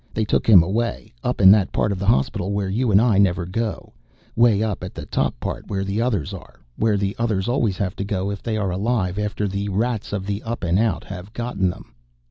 They took him away, up in that part of the hospital where you and I never go way up at the top part where the others are, where the others always have to go if they are alive after the Rats of the Up and Out have gotten them."